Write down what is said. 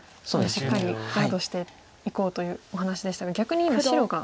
しっかりガードしていこうというお話でしたが逆に今白が。